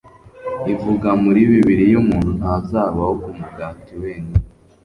ivuga muri bibiliya, umuntu ntazabaho ku mugati wenyine